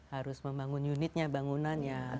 harus membangun unitnya bangunannya